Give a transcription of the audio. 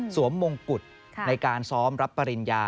มงกุฎในการซ้อมรับปริญญา